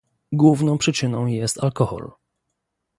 Główną przyczyną jest alkohol